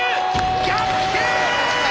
逆転！